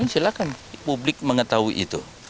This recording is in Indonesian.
silakan publik mengetahui itu